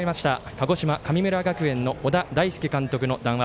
鹿児島の神村学園の小田大介監督の談話